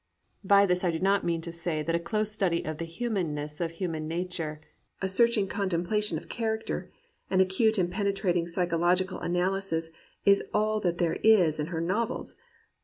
By this I do not mean to say that a close study of the humanness of human nature, a searching con templation of character, an acute and penetrating psychological analysis is all that there is in her novels.